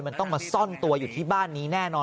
มันต้องมาซ่อนตัวอยู่ที่บ้านนี้แน่นอน